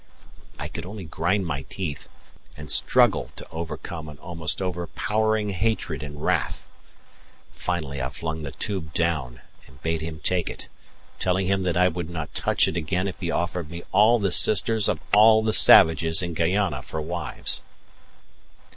I could only grind my teeth and struggle to overcome an almost overpowering hatred and wrath. Finally I flung the tube down and bade him take it, telling him that I would not touch it again if he offered me all the sisters of all the savages in Guayana for wives.